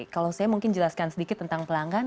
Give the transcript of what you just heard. kalau saya mungkin jelaskan sedikit tentang pelanggan